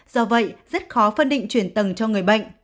do vậy rất khó phân định chuyển tầng cho người bệnh